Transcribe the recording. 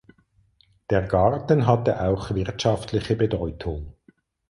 Der Garten hatte auch wirtschaftliche Bedeutung.